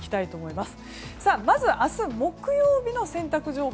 まず明日、木曜日の洗濯情報。